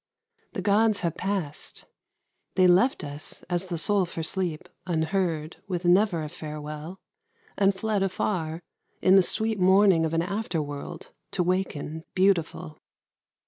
The gods have passed. They left us, as the soul for sleep, unheard, With never a farewell, and fled afar, In the sweet morning of an after world To waken beautiful.